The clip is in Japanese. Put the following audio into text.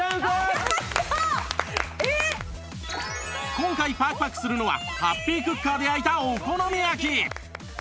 今回パクパクするのはハッピークッカーで焼いたお好み焼き